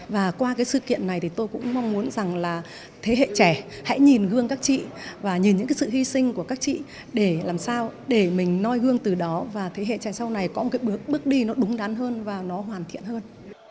và qua cái sự kiện này thì tôi cũng mong muốn rằng là thế hệ trẻ hãy nhìn gương các chị và nhìn những cái sự hy sinh của các chị để làm sao để mình noi gương từ đó và thế hệ trẻ sau này có một cái bước đi nó đúng đắn hơn và nó hoàn thiện hơn